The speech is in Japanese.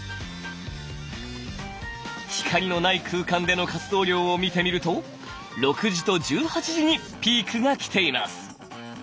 光のない空間での活動量を見てみると６時と１８時にピークが来ています。